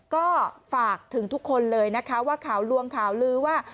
ก็ฝากถึงทุกคนเลยนะคะว่าข่าวลวงข่าวลื้อว่า